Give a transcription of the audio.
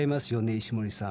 石森さん。